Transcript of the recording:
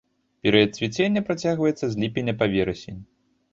Перыяд цвіцення працягваецца з ліпеня па верасень.